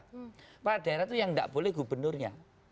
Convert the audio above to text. kepala daerah itu yang tidak boleh gubernurnya